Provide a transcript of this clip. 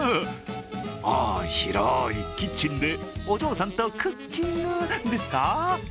ああ、広いキッチンでお嬢さんとクッキングですか？